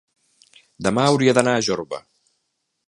demà hauria d'anar a Jorba.